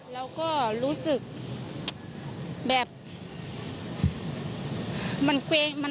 เราก็รู้สึกแบบ